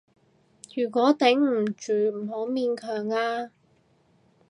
如果頂唔住，唔好勉強啊